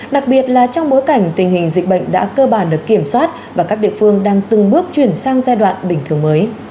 đặc biệt là trong bối cảnh tình hình dịch bệnh đã cơ bản được kiểm soát và các địa phương đang từng bước chuyển sang giai đoạn bình thường mới